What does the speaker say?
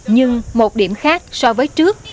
nhưng một điểm khác so với trước